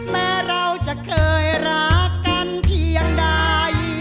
แม้เราจะเคยรักกันเพียงใด